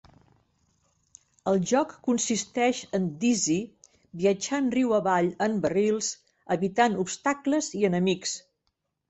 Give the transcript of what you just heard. El joc consisteix en Dizzy viatjant riu avall en barrils, evitant obstacles i enemics.